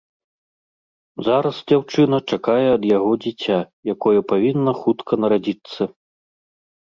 Зараз дзяўчына чакае ад яго дзіця, якое павінна хутка нарадзіцца.